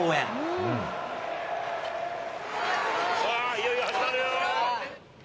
いよいよ始まるよ。